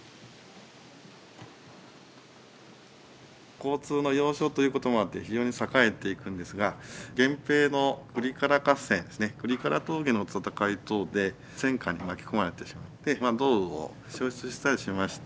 交通の要衝ということもあって非常に栄えていくんですが源平の倶利伽羅合戦ですね倶利伽羅峠の戦い等で戦火に巻き込まれてしまってお堂を焼失したりしまして。